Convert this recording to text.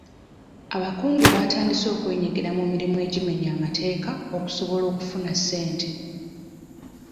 Abakungu batandise okwenyigira mu mirimu egimenya amateeka okusobola okufuna ssente.